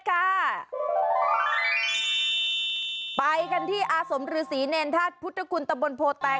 ไปกันที่อสมฤษีเณรทาสภุตคุณตะบลโภตราย